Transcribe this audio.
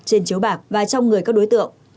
trên chiếu bạc và trong người các đối tượng